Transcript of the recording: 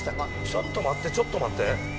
ちょっと待ってちょっと待って。